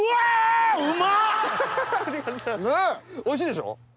おいしいでしょ？